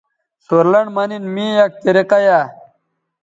سورلنڈ مہ نِن می یک طریقہ یائ